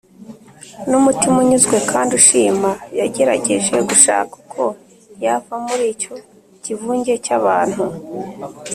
n’umutima unyuzwe kandi ushima, yagerageje gushaka uko yava muri icyo kivunge cy’abantu,